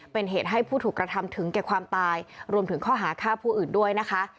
เป็นเหตุให้ผู้ถูกกระทำถึงแก่ความตายรวมถึงข้อหาฆ่าผู้อื่นด้วยนะคะ